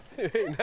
何？